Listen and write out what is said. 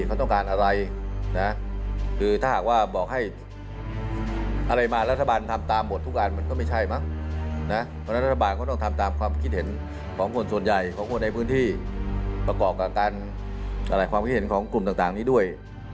ประกอบกับการตลายความคิดเห็นของกลุ่มต่างนี้ด้วย